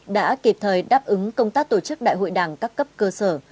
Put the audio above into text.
đã kịp thời đáp ứng công tác tổ chức đại hội đảng các cấp cơ sở